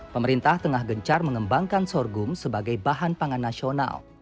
pemerintah tengah gencar mengembangkan sorghum sebagai bahan pangan nasional